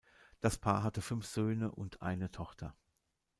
Das Paar hatte fünf Söhne und eine Tochter.